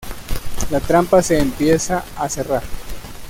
La trampa se empieza a cerrar.